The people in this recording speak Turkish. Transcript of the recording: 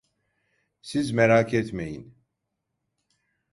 Siz merak etmeyin.